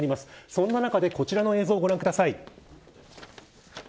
そんな中でこちらの映像をご覧ください。